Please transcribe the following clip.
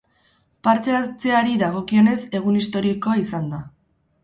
Parte-hartzeari dagokionez, egun historikoa izan da.